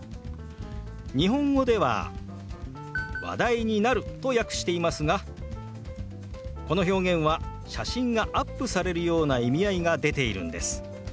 日本語では「話題になる」と訳していますがこの表現は写真がアップされるような意味合いが出ているんです。